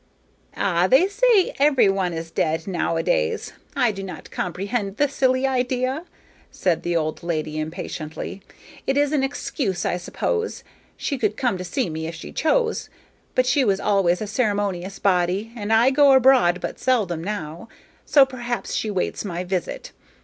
"Ah, they say every one is 'dead,' nowadays. I do not comprehend the silly idea!" said the old lady, impatiently. "It is an excuse, I suppose. She could come to see me if she chose, but she was always a ceremonious body, and I go abroad but seldom now; so perhaps she waits my visit.